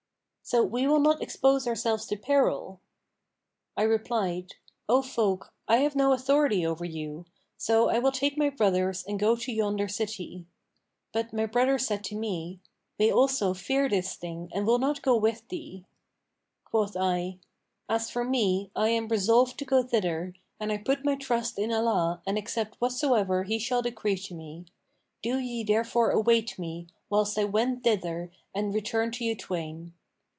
So we will not expose ourselves to peril.' I replied, 'O folk, I have no authority over you; so I will take my brothers and go to yonder city.' But my brothers said to me, 'We also fear this thing and will not go with thee.' Quoth I, 'As for me, I am resolved to go thither, and I put my trust in Allah and accept whatsoever He shall decree to me. Do ye therefore await me, whilst I wend thither and return to you twain.'"